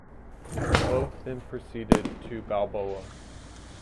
Both then proceeded to Balboa.